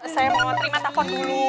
saya mau terima telepon dulu